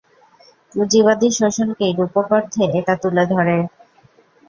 পুঁজিবাদী শোষণকেই রুপক অর্থে এটা তুলে ধরে!